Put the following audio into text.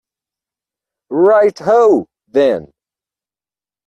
Right ho, then.